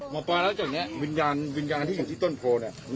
หมอปลาแล้วจากนี้วิญญาณที่อยู่ที่ต้นโพน